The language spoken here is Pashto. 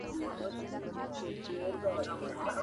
زه پرون د کورنۍ سره مرسته کوم وم.